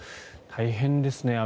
大変ですね。